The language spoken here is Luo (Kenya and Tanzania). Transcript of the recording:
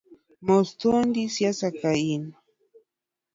Mos thuondi siasa kain, cllr.